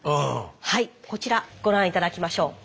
はいこちらご覧頂きましょう。